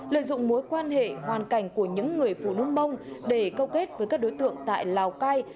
lợi dụng mối quan hệ hoàn cảnh của những người phụ nữ mông để câu kết với các đối tượng tại lào cai